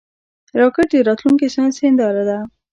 راکټ د راتلونکي ساینس هنداره ده